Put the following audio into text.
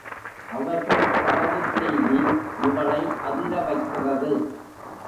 அவர்கள் சாவுச் செய்தி இவளை அதிர வைக்கிறது.